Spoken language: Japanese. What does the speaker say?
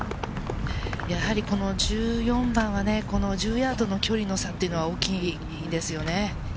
やはり１４番は１０ヤードの距離の差っていうのは大きいですよね。